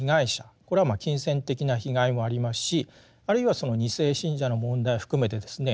これは金銭的な被害もありますしあるいはその２世信者の問題含めてですね